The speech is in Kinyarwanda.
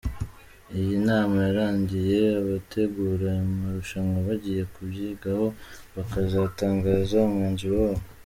Iyi nama yarangiye, abategura aya marushanwa bagiye kubyigaho bakazatangaza umwanzuro wabo.